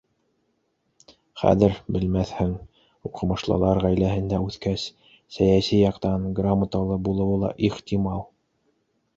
Хәйер, белмәҫһең, уҡымышлылар ғаиләһендә үҫкәс, сәйәси яҡтан грамоталы булыуы ла ихтимал.